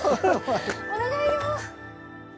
お願いよ。